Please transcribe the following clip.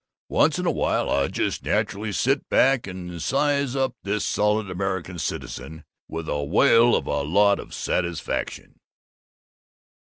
Once in a while I just naturally sit back and size up this Solid American Citizen, with a whale of a lot of satisfaction.